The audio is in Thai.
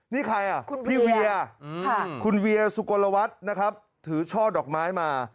นี่ใครอ่ะคุณพี่เวียคุณเวียสุกลวัฒน์นะครับถือช่อดอกไม้มา